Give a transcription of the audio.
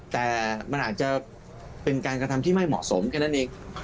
แต่มันอาจจะเป็นการกระทำที่ไม่เหมาะสมแค่นั้นเอง